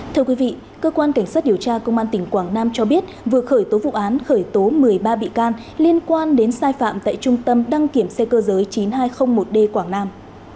thưa quý vị cơ quan cảnh sát điều tra công an tỉnh quảng nam cho biết vừa khởi tố vụ án khởi tố một mươi ba bị can liên quan đến sai phạm tại trung tâm đăng kiểm xe cơ giới chín nghìn hai trăm linh một d quảng nam